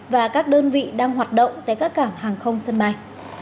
và các đơn vị đang hoạt động tại các cảng hàng không sân bay